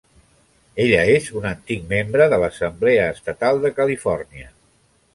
Ella és un antic membre de l'Assemblea estatal de Califòrnia.